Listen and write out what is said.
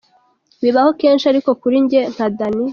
Bibaho kenshi, ariko kuri njye nka Danny.